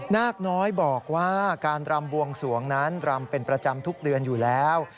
นาคน้อยบอกว่าการรำบวงสวงนั้นรำเป็นประจำทุกเดือนอยู่แล้ว